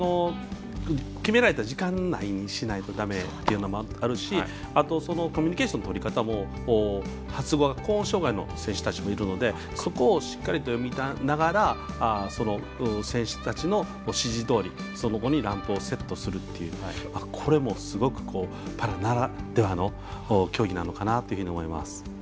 決められた時間内にしないとだめっていうのもあるしコミュニケーションの取り方も口語障がいの人もいるのでそこをしっかりと読みながら選手たちの指示どおりにランプをセットするというこれは、すごくパラならではの競技なのかなと思います。